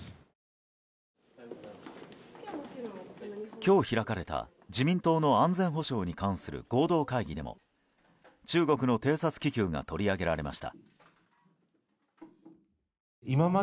今日、開かれた自民党の安全保障に関する合同会議でも中国の偵察気球が取り上げられました。